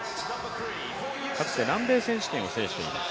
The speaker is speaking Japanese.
かつて南米選手権を制しています